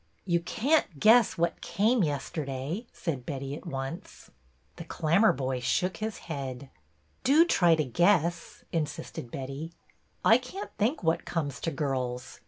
You can't guess what came yesterday," said Betty, at once. THE CLAMMERBOY 45 The Clammerboy shook his head. '' Do try to guess/' insisted Betty. " I can't think what comes to girls.